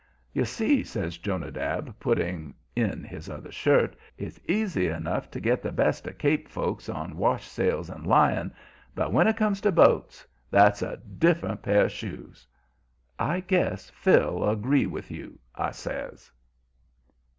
"You see," says Jonadab, putting in his other shirt, "it's easy enough to get the best of Cape folks on wash sales and lying, but when it comes to boats that's a different pair of shoes." "I guess Phil'll agree with you," I says.